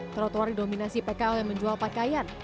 trotoar didominasi pkl yang menjual pakaian